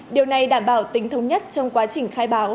điều này đảm bảo tính thống nhất trong quá trình khai báo